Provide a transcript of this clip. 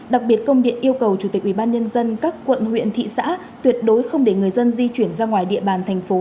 đặc biệt công điện yêu cầu chủ tịch ubnd các quận huyện thị xã tuyệt đối không để người dân di chuyển ra ngoài địa bàn thành phố